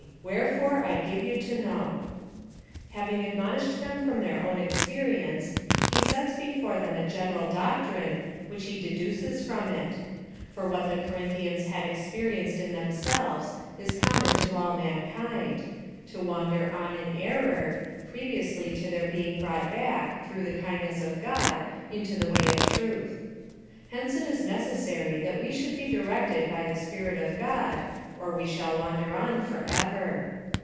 Wherefore I give you to know. Having admonished them from their own experience, he sets before them a general doctrine, which he deduces from it ; for what the Corinthians had experienced in themselves is common to all mankind — to wander on in error,^ previously to their being brought back, through the kindness of God, into the way of truth. Hence it is necessaiy that we should be directed by the Spirit of God, or we shall Avander on for ever.